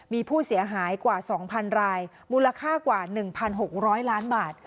มีผู้เสียหายกว่า๒๐๐๐รายมูลค่ากว่า๑๖๐๐ล้านบาท